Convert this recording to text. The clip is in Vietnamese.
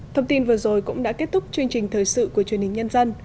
thông tin vừa rồi cũng đã kết thúc chương trình thời sự của truyền hình nhân dân